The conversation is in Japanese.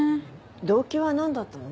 動機はなんだったの？